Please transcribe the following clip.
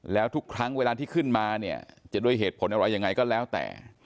แล้วทุกครั้งเวลาที่ขึ้นมาเนี่ยจะด้วยเหตุผลอะไรยังไงก็แล้วแต่